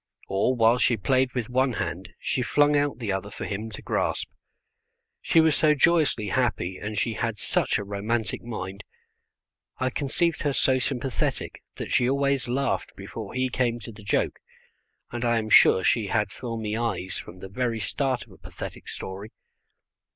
Or while she played with one hand, she flung out the other for him to grasp. She was so joyously happy, and she had such a romantic mind. I conceived her so sympathetic that she always laughed before he came to the joke, and I am sure she had filmy eyes from the very start of a pathetic story.